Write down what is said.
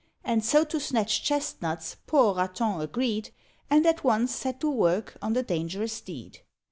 And so to snatch chesnuts poor Raton agreed, And at once set to work on the dangerous deed.